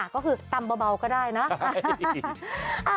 ก็คือตำเบาก็ได้นะ